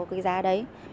cái giá đấy